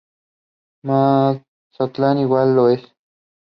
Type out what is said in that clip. He played college football at Fordham.